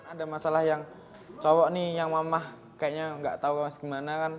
ada masalah yang cowok nih yang mamah kayaknya nggak tahu mas gimana kan